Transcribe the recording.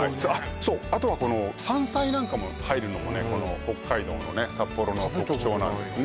そうあとはこの山菜なんかも入るのもね北海道の札幌の特徴なんですね